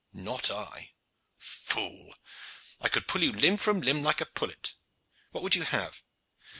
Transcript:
"Not I." "Fool! I could pull you limb from limb like a pullet. What would you have?